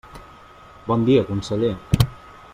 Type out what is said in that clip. Bon dia, conseller.